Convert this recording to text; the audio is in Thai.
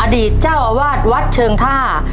อดีตเจ้าอาวาสวัดเชิงท่า